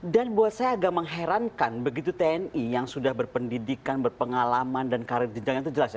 dan buat saya agak mengherankan begitu tni yang sudah berpendidikan berpengalaman dan karir jenjangnya itu jelas ya